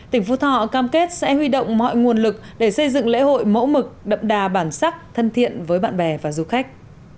tỉnh phú thọ cam kết sẽ huy động mọi nguồn lực để xây dựng lễ hội mẫu mực đậm đà bản sắc thân thiện với bạn bè và du khách